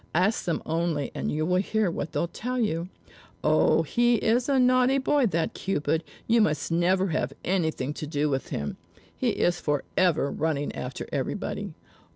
Ask them only and you will hear what they'll tell you. Oh, he is a naughty boy, that Cupid; you must never have anything to do with him. He is forever running after everybody.